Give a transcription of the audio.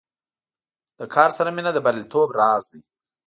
له کار سره مینه د بریالیتوب راز دی.